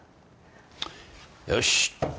よし。